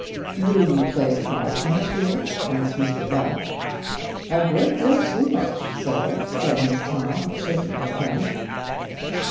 "Do you play cards much here?" asked Mr Rubb. "A great deal too much, Sir," said Miss Todd, shaking her head.